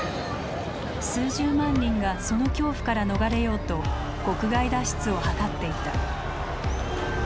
数十万人がその恐怖から逃れようと国外脱出を図っていた。